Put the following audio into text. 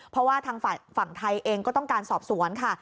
เพราะว่าทางฝั่งไทยเองก็ต้องการสอบสวนค่ะ